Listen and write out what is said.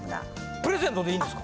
プレゼントでいいんですか？